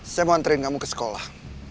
saya mau anterin kamu ke sekolah